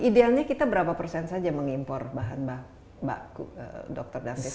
idealnya kita berapa persen saja mengimpor bahan baku dokter dasar